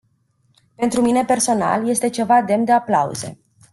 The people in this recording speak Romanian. Pentru mine personal, este ceva demn de aplauze.